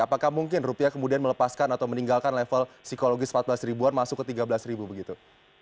apakah mungkin rupiah kemudian melepaskan atau meninggalkan level psikologis empat belas ribuan masuk ke tiga belas ribu begitu